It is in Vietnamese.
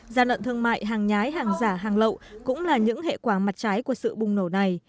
gian lận thương mại hàng nhái hàng giả hàng lậu cũng là những hệ quả mặt trái của sự bùng nổ này